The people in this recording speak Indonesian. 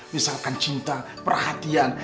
misalkan cinta perhatian